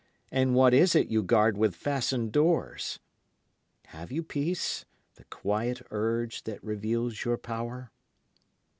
And what is it you guard with fastened doors? Have you peace, the quiet urge that reveals your power?